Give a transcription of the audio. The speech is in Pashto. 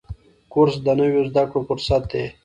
کورس د نویو زده کړو فرصت دی.